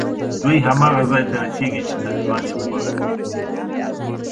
دوی هماغه ځای ته رسېږي چې طالبان یې غواړي